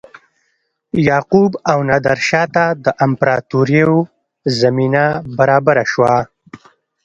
یعقوب او نادرشاه ته د امپراتوریو زمینه برابره شوه.